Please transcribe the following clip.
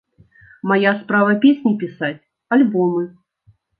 Мая справа песні пісаць, альбомы.